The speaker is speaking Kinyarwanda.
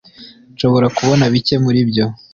nshobora kubona bike muribyo